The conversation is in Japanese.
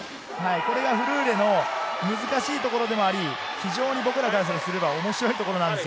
これがフルーレの難しいところでもあり、僕らからすれば面白いところです。